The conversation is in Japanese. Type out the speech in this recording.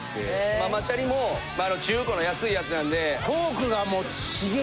ママチャリも中古の安いやつなんで。